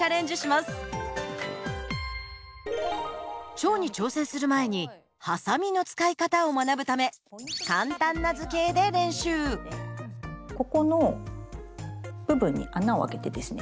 蝶に挑戦する前にハサミの使い方を学ぶためここの部分に穴を開けてですね